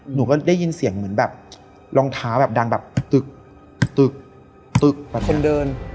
หนูก็ได้ยินเสียงเหมือนแบบรองเท้าแบบดังแบบตึกตึกตึกแบบคนเดิน